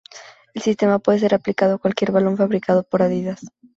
El sistema puede ser aplicado a cualquier balón fabricado por Adidas.